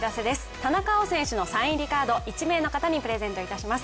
田中碧選手のサイン入りカード、１名の方にプレゼントいたします。